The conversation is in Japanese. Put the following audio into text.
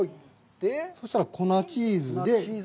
そしたら、粉チーズで。